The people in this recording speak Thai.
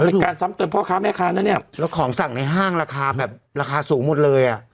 การซ้ำเติมพ่อค้าแม่ค้านะเนี่ยแล้วของสั่งในห้างราคาแบบราคาสูงหมดเลยอ่ะ